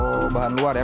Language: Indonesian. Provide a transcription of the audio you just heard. oh bahan luar ya